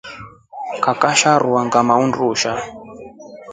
Kakasha rua ngamaa undusha.